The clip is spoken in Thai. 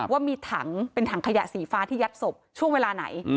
ว่ามีถังเป็นถังขยะสีฟ้าที่ยัดศพช่วงเวลาไหน